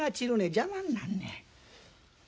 邪魔になんねん。